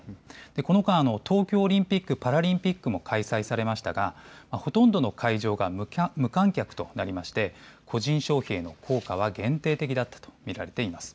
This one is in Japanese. この間、東京オリンピック・パラリンピックも開催されましたが、ほとんどの会場が無観客となり個人消費への効果は限定的だったと見られています。